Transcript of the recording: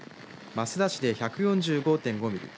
益田市で１４５．５ミリ